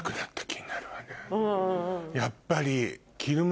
やっぱり。